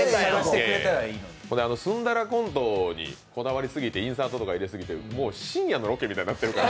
住んだらラコントにこだわりすぎて、インサートとか入れすぎて、深夜のコントみたいになってるから。